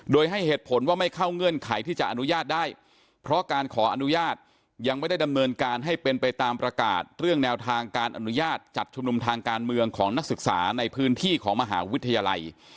โดยให้เหตุผลว่าไม่เข้าเงื่อนไขที่จะอนุญาตได้เพราะการขออนุญาตยังไม่ได้ดำเนินการให้เป็นไปตามประกาศเรื่องแนวทางการอนุญาตจัดชุมนุมทางการเมืองของนักศึกษาในพื้นที่ของมหาวิทยาลัย